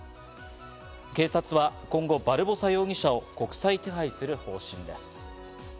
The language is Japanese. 警察は今後、バルボサ容疑者を国際手配する方針です。